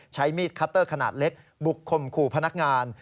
ใช้มีดคัตเตอร์ขนาดเล็กบุกคมขู่พนักงาน